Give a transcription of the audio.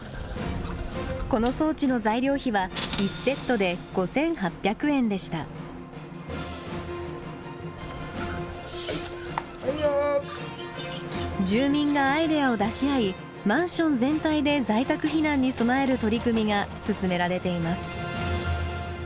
この装置の住民がアイデアを出し合いマンション全体で在宅避難に備える取り組みが進められています。